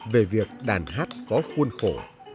về việc đàn hát có khuôn khổ